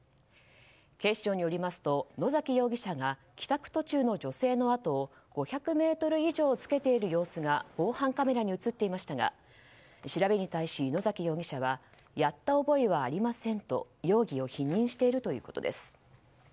警視庁によりますと野崎容疑者が帰宅途中の女性の、あとを５００ｍ以上つけている様子が防犯カメラに映っていましたが調べに対し、野崎容疑者はやった覚えはありませんと容疑を否認しているということです。